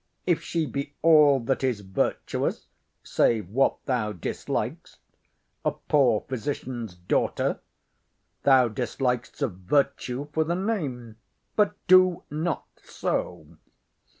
If she be All that is virtuous, save what thou dislik'st, A poor physician's daughter,—thou dislik'st— Of virtue for the name. But do not so.